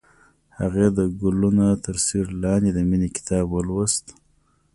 هغې د ګلونه تر سیوري لاندې د مینې کتاب ولوست.